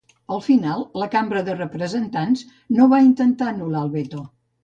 Al final, la Cambra de representants no va intentar anular el veto.